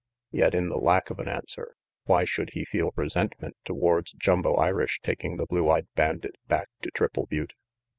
Yet, in the lack of an answer, why should he feel resentment towards Jumbo Irish taking the blue eyed bandit back to Triple Butte?